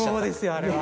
あれは。